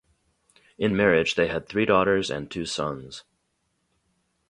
In marriage they had three daughters and two sons.